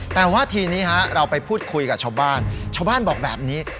แต่ว่าทีนี้เราไปพูดคุยกับชาวบ้านชาวบ้านบอกแบบนี้